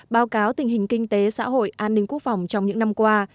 báo cáo tình hình kinh tế xã hội an ninh quốc phòng trong những năm qua